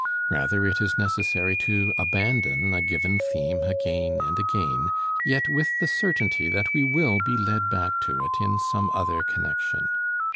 Rather it is necessary to abandon a given theme again and again, yet with the certainty that we will be led back to it in some other connection.